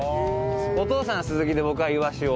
お父さんはスズキで僕はイワシを。